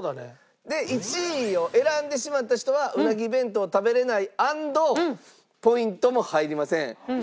で１位を選んでしまった人はうなぎ弁当を食べられない＆ポイントも入りません。